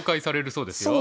そうですね